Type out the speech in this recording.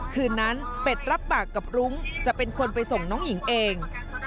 คืนนั้นเป็ดรับปากกับรุ้งจะเป็นคนไปส่งน้องหญิงเอง